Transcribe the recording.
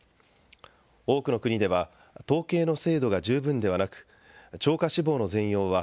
多くの国では統計の精度が十分ではなく超過死亡の全容は